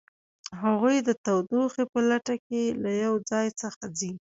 هغوی د تودوخې په لټه کې له یو ځای څخه ځي